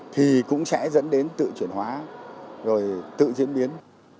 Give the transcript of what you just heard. thì cũng sẽ dẫn đến tự chuyển hóa rồi tự diễn biến